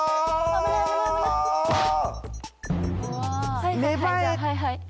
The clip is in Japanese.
はいはいはい。